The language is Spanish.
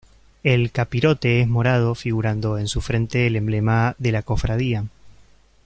El capirote es morado figurando en su frente el emblema de la cofradía.